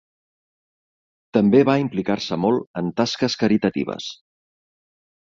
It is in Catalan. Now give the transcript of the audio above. També va implicar-se molt en tasques caritatives.